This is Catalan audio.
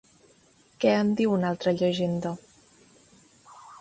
Què en diu una altra llegenda?